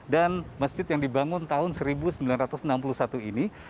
dan masjid yang dibangun tahun seribu sembilan ratus enam puluh satu ini